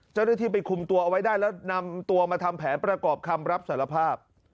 เจ้าหน้าที่ไปคุมตัวเอาไว้ได้แล้วนำตัวมาทำแผนประกอบคำรับสารภาพ